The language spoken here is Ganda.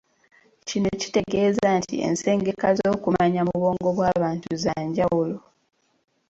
Kino kitegeeza nti ensengeka z'okumanya mu bwongo bw'abantu za njawulo